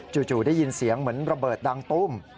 จู่ได้ยินเสียงเหมือนระเบิดดังตุ้ม